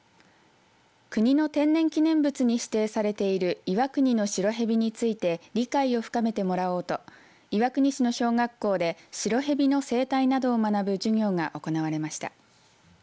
国の天然記念物に指定されている岩国のシロヘビについて理解を深めてもらおうと岩国市の小学校でシロヘビの生態などを学ぶ授業が行われました。